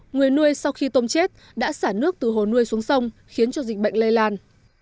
người nuôi sau khi tôm chết đã xả nước từ hồ nuôi xuống sông khiến cho dịch bệnh lây lan